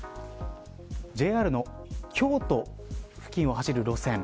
ＪＲの京都付近を走る路線。